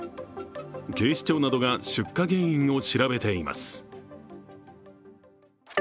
警視庁などが出火原因を調べています。